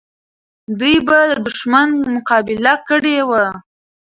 دوی به د دښمن مقابله کړې وه.